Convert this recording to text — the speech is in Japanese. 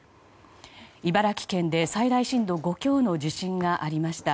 茨城県で最大震度５強の地震がありました。